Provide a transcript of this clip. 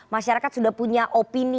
masyarakat sudah punya opini